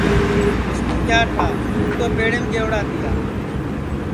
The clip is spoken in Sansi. مِسکُو کیا ٹھا ہوں تو پیڑیم گئوڑا تیا